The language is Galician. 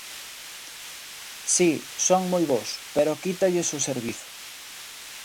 Si, son moi bos, pero quítalles o servizo.